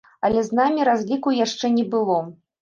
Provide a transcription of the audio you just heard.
Але з намі разлікаў яшчэ не было.